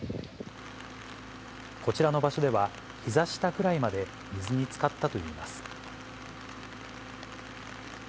こちらの場所では、ひざ下くらいまで水につかったといいます。